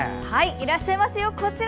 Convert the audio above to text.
いらっしゃいますよこちら。